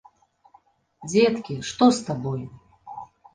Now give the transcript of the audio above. Дзеткі, што з табой?